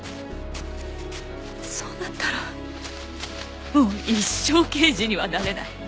そうなったらもう一生刑事にはなれない。